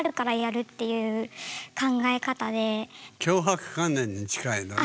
強迫観念に近いのね。